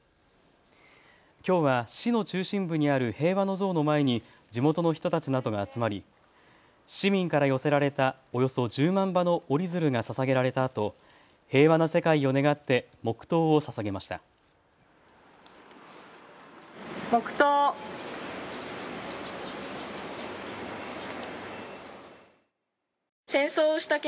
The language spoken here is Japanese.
きょうは市の中心部にある平和の像の前に地元の人たちなどが集まり、市民から寄せられたおよそ１０万羽の折り鶴がささげられたあと平和な世界を願って黙とうを捧げました。